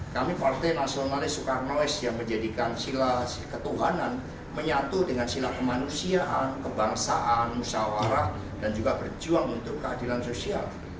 kami partai nasionalis soekarnois yang menjadikan sila ketuhanan menyatu dengan sila kemanusiaan kebangsaan musyawarah dan juga berjuang untuk keadilan sosial